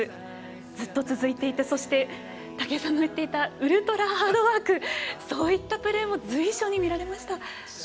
ずっと続いていたそして武井さんの言っていたウルトラハードワークそういったプレーも随所に見られました。